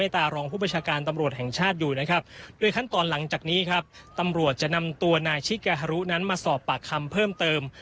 โดยขั้นตอนหลังจากนี้ครับตำรวจจะนำตัวนายชิกาฮารุนั้นมาสอบปากคำเพิ่มเติม